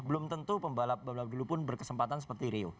belum tentu pembalap pembalap dulu pun berkesempatan seperti rio